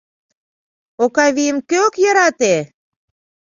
Окавийым кӧ ок йӧрате?!